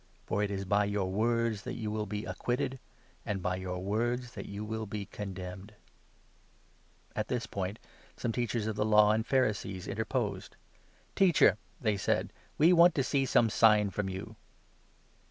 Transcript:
For it is by your words 37 that you will be acquitted, and by your words that you will be condemned." At this point, some Teachers of the Law and *8 Warning _,.*..•» against seeking Pharisees interposed. signs. "Teacher," they said, "we want to see some sign from you.